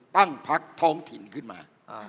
ตั้งพักท้องถิ่นขึ้นมา